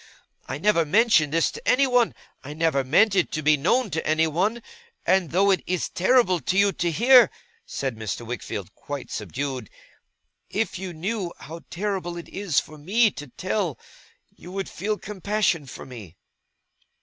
I never mentioned this to anyone. I never meant it to be known to anyone. And though it is terrible to you to hear,' said Mr. Wickfield, quite subdued, 'if you knew how terrible it is for me to tell, you would feel compassion for me!